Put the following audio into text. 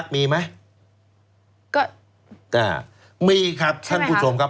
มีครับท่านผู้ชมครับ